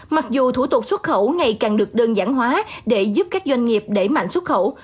mặc dù thủ tục xuất khẩu ngày càng được đơn giản hóa để giúp các doanh nghiệp đẩy mạnh xuất khẩu